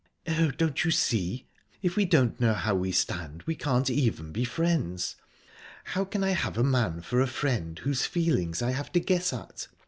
"Oh, don't you see? If we don't know how we stand, we can't even be friends. How can I have a man for a friend whose feelings I have to guess at?...